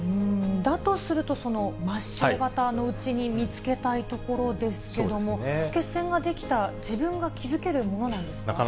だとすると、その末しょう型のうちに見つけたいところですけども、血栓が出来たら自分が気付けるものなんですか。